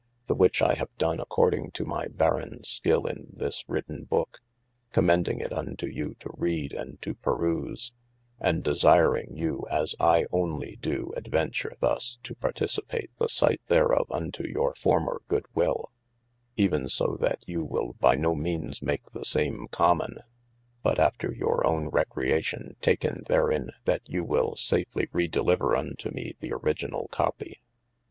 The which I have done according to my barreyne skill in this written Booke, commending it unto you to read and to peruse, and desiring you as I onely do adventure thus to participate the sight therof unto your former good will, even so that you will by no meanes make the same common : but after your owne recreation taken therin yl you wil safely redeliver unto me the originall copie.